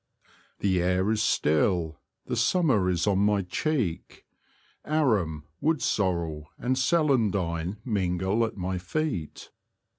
The air is still, and summer is on my cheek ; arum, wood sorrel, and celan dine mingle at my feet.